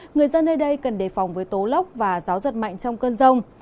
người dân nơi đây cần đề phòng với tố lốc và gió giật mạnh trong cơn rông